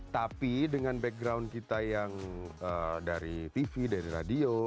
tapi dengan background kita yang dari tv dari radio